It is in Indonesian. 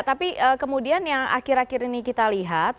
tapi kemudian yang akhir akhir ini kita lihat